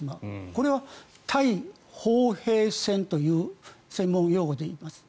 これは対砲兵戦という専門用語で言います。